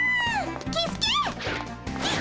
キスケ！